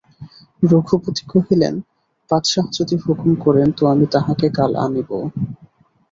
রঘুপতি কহিলেন, বাদশাহ যদি হুকুম করেন তো আমি তাহাকে কাল আনিব।